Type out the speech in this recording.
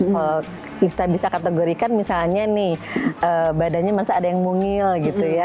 kalau ista bisa kategorikan misalnya nih badannya masih ada yang mungil gitu ya